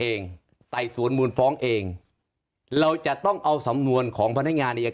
ไต่สวนมูลฟ้องเองเราจะต้องเอาสำนวนของพนักงานอายการ